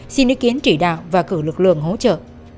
xin ý kiến chỉ đạo và cử lực lượng hỗ trợ